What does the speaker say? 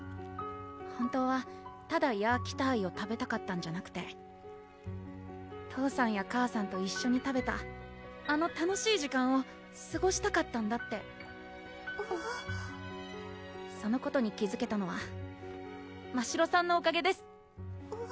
本当はただヤーキターイを食べたかったんじゃなくて父さんや母さんと一緒に食べたあの楽しい時間をすごしたかったんだってそのことに気づけたのはましろさんのおかげです